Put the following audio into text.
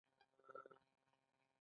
هغه د خوږ منظر پر مهال د مینې خبرې وکړې.